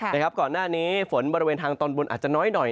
ก่อนหน้านี้ฝนบริเวณทางตอนบนอาจจะน้อยหน่อย